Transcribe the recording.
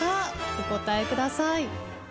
お答えください。